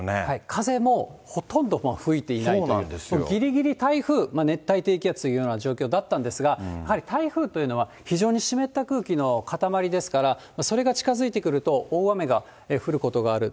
風もほとんど吹いていないという、ぎりぎり台風、熱帯低気圧というような状況だったんですが、やはり台風というのは、非常に湿った空気の塊ですから、それが近づいてくると、大雨が降ることがある。